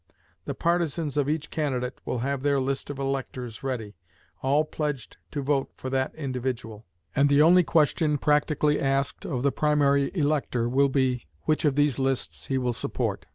The partisans of each candidate will have their list of electors ready, all pledged to vote for that individual; and the only question practically asked of the primary elector will be, which of these lists he will support.